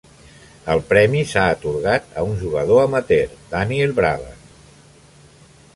El premi s'ha atorgat a un jugador amateur, Daniel Brabant.